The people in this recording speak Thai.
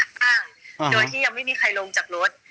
ข้างโดยที่ยังไม่มีใครลงจากรถ